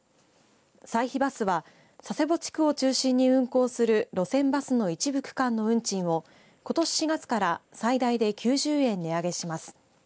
西肥バスは佐世保地区を中心に運行する路線バスの一部区間の運賃をことし４月から最大で９０円値上げします。